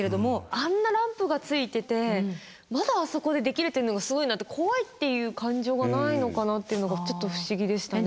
あんなランプがついててまだあそこでできるというのがすごいなって怖いっていう感情がないのかなっていうのがちょっと不思議でしたね。